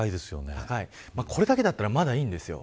これだけだったらまだいいんです。